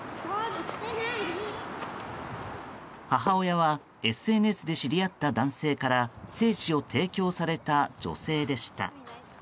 母親はＳＮＳで知り合った男性から精子を提供された女性でした。